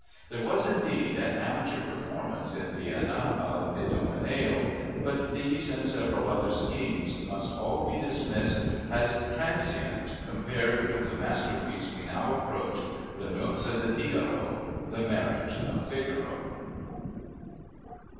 There was, indeed, an amateur performance in Vienna of Idomeneo. But these and several other schemes must all be dismissed as transient compared with the masterpiece we now approach—Le Nozze di Figaro (The Marriage of Figaro).